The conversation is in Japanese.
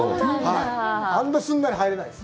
あんなすんなり入れないです。